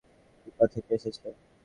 শব্দটা পিপা থেকে এসেছে।